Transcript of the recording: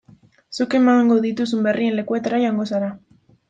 Zuk emango dituzun berrien lekuetara joango zara.